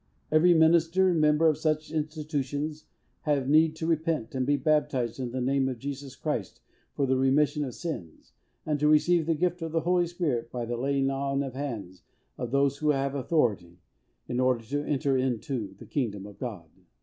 Every minister and member of such institutions have need to repent, and be baptized, in the name of Jesus Christ, for remission of sins; and to receive the gift of the Holy Spirit, by the laying on of hands of those who have authority, in order to enter into the kingdom of God.